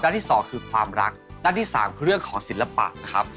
ที่สองคือความรักด้านที่๓คือเรื่องของศิลปะนะครับ